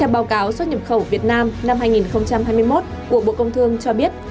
báo cáo xuất nhập khẩu việt nam năm hai nghìn hai mươi một của bộ công thương cho biết